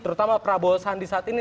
terutama prabowo sandi saat ini